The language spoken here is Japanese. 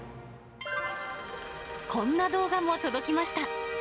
こんな動画も届きました。